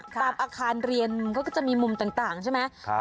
ตามอาคารเรียนเขาก็จะมีมุมต่างใช่ไหม